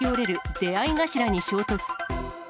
出会い頭に衝突。